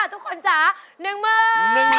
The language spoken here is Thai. ทุกคนจ้า๑มื้อ